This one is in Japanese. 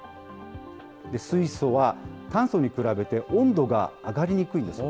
水素は炭素に比べて、温度が上がりにくいんです。